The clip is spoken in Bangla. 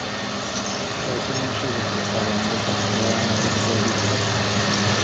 শয়তান এসে গেছে, তার অন্ধকার ছায়া আমাদের উপর বিস্তার করেছে।